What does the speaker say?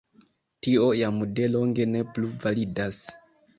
Tio jam de longe ne plu validas.